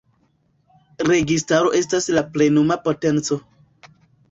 Registaro estas la plenuma potenco.